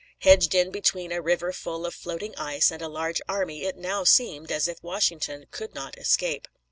Hedged in between a river full of floating ice and a large army, it now seemed as if Washington could not escape.